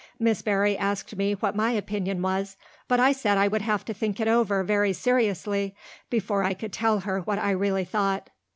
Miss Barry asked me what my opinion was, but I said I would have to think it over very seriously before I could tell her what I really thought.